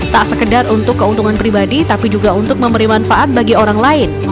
tak sekedar untuk keuntungan pribadi tapi juga untuk memberi manfaat bagi orang lain